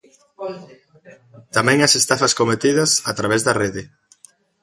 Tamén as estafas cometidas a través da rede.